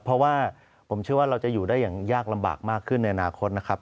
เพราะว่าผมเชื่อว่าเราจะอยู่ได้อย่างยากลำบากมากขึ้นในอนาคตนะครับ